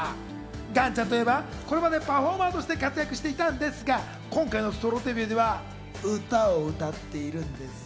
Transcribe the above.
岩ちゃんといえば、これまでパフォーマーとして活躍していたんですが今回のソロデビューでは歌を歌っているんです。